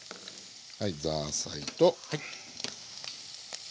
はいザーサイと豆。